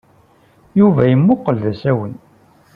Yuba yemmuqqel d asawen.